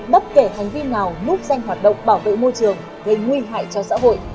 bất kể hành vi nào núp danh hoạt động bảo vệ môi trường gây nguy hại cho xã hội